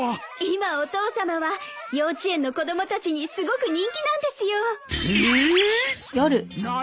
今お父さまは幼稚園の子供たちにすごく人気なんですよ。ええーっ！？何！？